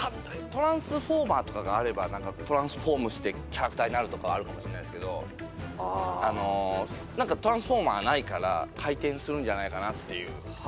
トランスフォーマーとかがあればトランスフォームしてキャラクターになるとかはあるかもしんないっすけどトランスフォーマーないから回転するんじゃないかなっていう。